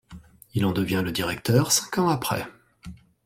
Il en devient le directeur cinq ans après.